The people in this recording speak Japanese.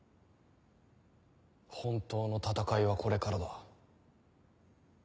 本当の戦いはこれからだ。